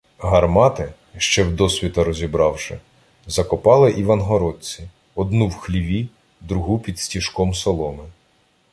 Гармати, ще вдосвіта розібравши, закопали івангородці: одну в хліві, другу під стіжком соломи.